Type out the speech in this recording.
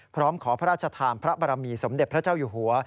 พร้อมขอพระราชทานพระบรมีสมเด็จพระเจ้าอยู่หัว